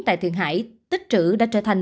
tại thường hải tích trữ đã trở thành